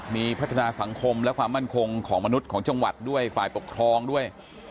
มีพัฒนาสังคมและความมั่นคงของมนุษย์ของจังหวัดด้วยฝ่ายปกครองด้วย